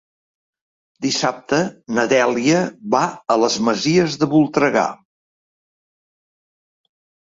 Dissabte na Dèlia va a les Masies de Voltregà.